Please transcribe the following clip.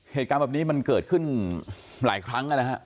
เหตุการณ์แบบนี้มันเกิดขึ้นหลายครั้งนะฮะ